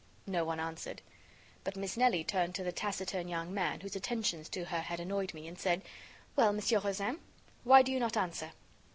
No one answered. But Miss Nelly turned to the taciturn young man, whose attentions to her had annoyed me, and said: "Well, Monsieur Rozaine, why do you not answer?"